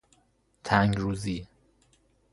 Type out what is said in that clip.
تنگ روزی